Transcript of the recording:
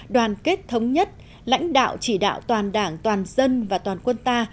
đoàn kết thống nhất lãnh đạo chỉ đạo toàn đảng toàn dân và toàn quân ta